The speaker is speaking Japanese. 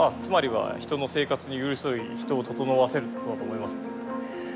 つまりは人の生活に寄り添い人を整わせるっていうことだと思います。